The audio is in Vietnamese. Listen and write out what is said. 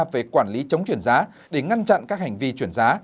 về quản lý chống chuyển giá để ngăn chặn các hành vi chuyển giá